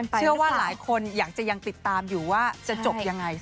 เชื่อว่าหลายคนอยากจะยังติดตามอยู่ว่าจะจบยังไง